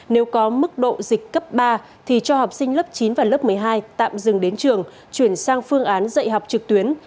nếu có mức độ dịch cấp ba thì cho học sinh lớp chín và lớp một mươi hai tạm dừng đến trường chuyển sang phương án dạy học trực tuyến